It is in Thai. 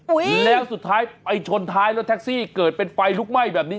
แล้วสุดท้ายไปชนท้ายรถแท็กซี่เกิดเป็นไฟลุกไหม้แบบนี้